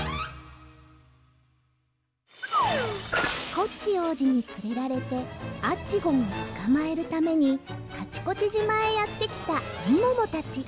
コッチおうじにつれられてアッチゴンをつかまえるためにカチコチじまへやってきたみももたち。